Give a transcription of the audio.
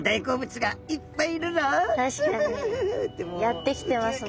やって来てますもんね。